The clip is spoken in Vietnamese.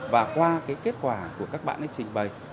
và qua kết quả của các bạn trình bày